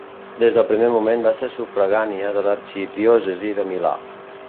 Des del primer moment va ser sufragània de l'arxidiòcesi de Milà.